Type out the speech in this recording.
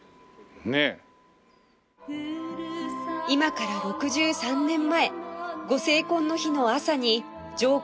今から６３年前ご成婚の日の朝に上